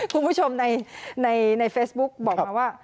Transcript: คุณผู้ชมในเฟซบุ๊กบอกมาว่า